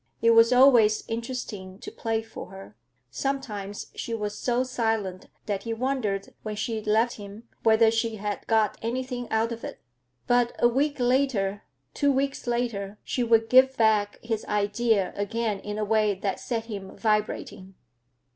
It was always interesting to play for her. Sometimes she was so silent that he wondered, when she left him, whether she had got anything out of it. But a week later, two weeks later, she would give back his idea again in a way that set him vibrating.